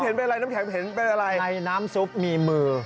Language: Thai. ในน้ำซุปมีมือ